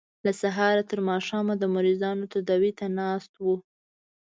له سهاره تر ماښامه د مریضانو تداوۍ ته ناست وو.